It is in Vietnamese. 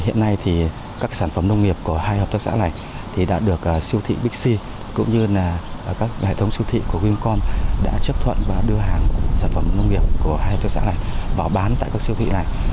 hiện nay thì các sản phẩm nông nghiệp của hai hợp tác xã này đã được siêu thị bixi cũng như là các hệ thống siêu thị của wincom đã chấp thuận và đưa hàng sản phẩm nông nghiệp của hai hợp tác xã này vào bán tại các siêu thị này